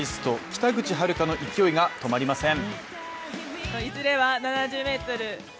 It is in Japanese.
北口榛花の勢いが止まりません。